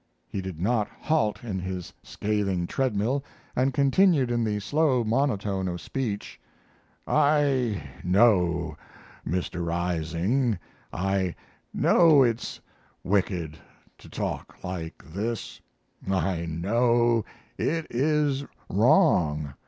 He did not halt in his scathing treadmill and continued in the slow monotone of speech: "I know, Mr. Rising, I know it's wicked to talk like this; I know it is wrong.